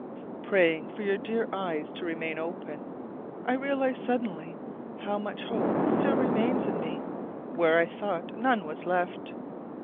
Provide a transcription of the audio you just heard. Praying for your dear eyes to remain open, I realize suddenly how much hope still remains in me, where I thought none was left.